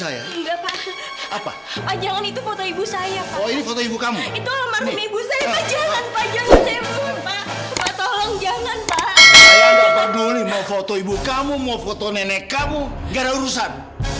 bapaknya aida itu yang mendekati dina duluan